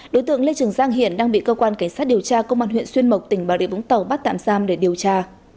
đối tượng lê trường giang hiện đang bị cơ quan cảnh sát điều tra công an huyện xuyên mộc tỉnh bà địa vũng tàu bắt tạm giam để điều tra